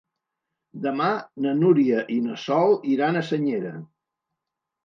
Demà na Núria i na Sol iran a Senyera.